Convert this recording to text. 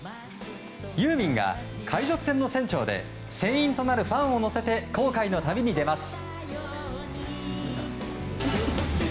ユーミンが海賊船の船長で船員となるファンを乗せて航海の旅に出ます。